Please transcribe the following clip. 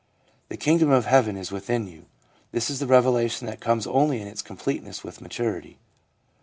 ' The kingdom of heaven is within you/ This is the revelation that comes only in its completeness with maturity.